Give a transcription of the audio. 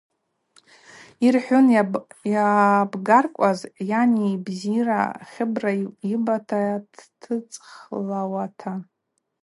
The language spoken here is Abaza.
Йырхӏвун йабгаркӏваз йани йбзибара Хьыбри йбата дтыцӏхлауата.